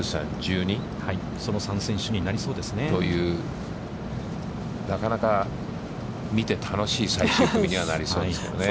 その３選手になりそうですね。という、なかなか見て楽しい最終組にはなりそうですけどね。